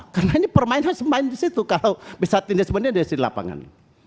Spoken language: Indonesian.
karena ini permainan mainan disitu kalau bisa tindas bindas di lapangan